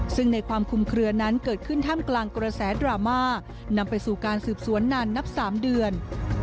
ซึ่งในความคุมเคลือนั้นเกิดขึ้นท่ามกลางกระแสดราม่านำไปสู่การสืบสวนนานนับ๓เดือน